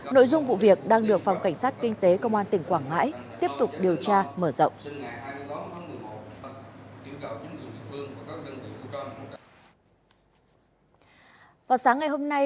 nội dung vụ việc đang được phòng cảnh sát kinh tế công an tỉnh quảng ngãi tiếp tục điều tra mở rộng